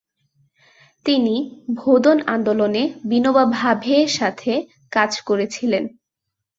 তিনি ভোদন আন্দোলনে বিনোবা ভাভেয়ের সাথে কাজ করেছিলেন।